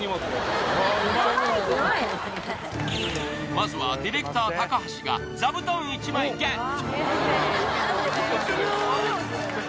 まずはディレクター・高橋が座布団１枚ＧＥＴ！